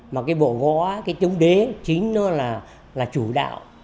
mà cái bộ gó cái chống đế chính nó là chủ đạo